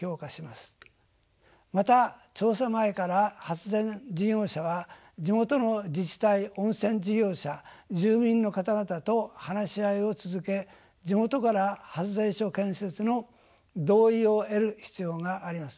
また調査前から発電事業者は地元の自治体温泉事業者住民の方々と話し合いを続け地元から発電所建設の同意を得る必要があります。